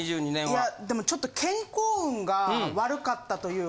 いやでもちょっと健康運が悪かったというか。